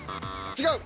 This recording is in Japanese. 違う。